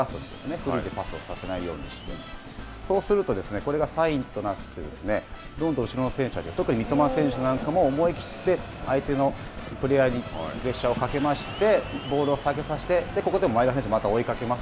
フリーでパスをさせないようにして、これがサインとなって、どんどん後ろの選手たち、特に三笘選手なんかも、思い切って相手のクリアにプレッシャーをかけまして、ボールを下げさせて、ここで前田選手が追いかけます。